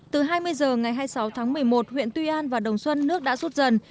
từ hai mươi h ngày hai mươi sáu tháng một mươi một huyện tuy an và đồng xuân nước đã rút dần